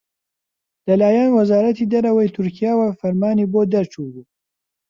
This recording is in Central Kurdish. لەلایەن وەزارەتی دەرەوەی تورکیاوە فرمانی بۆ دەرچووبوو